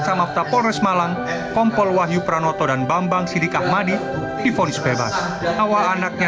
samafta polres malang kompol wahyu pranoto dan bambang sidiq ahmadit di ponis bebas awal anaknya